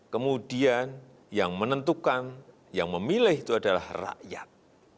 kemudian yang menentukan yang memilih itu adalah rakyat